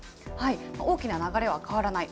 大きな流れは変わらない。